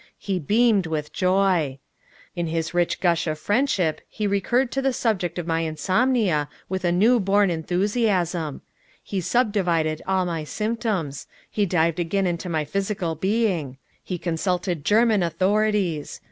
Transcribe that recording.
He beamed with joy. In his rich gush of friendship he recurred to the subject of my insomnia with a new born enthusiasm. He subdivided all my symptoms. He dived again into my physical being. He consulted German authorities.